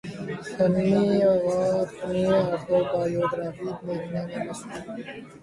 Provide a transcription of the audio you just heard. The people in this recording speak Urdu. سلمی غا اپنی اٹوبایوگرافی لکھنے میں مصروف